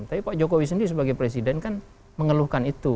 tapi pak jokowi sendiri sebagai presiden kan mengeluhkan itu